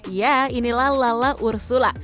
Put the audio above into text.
ya inilah lala ursula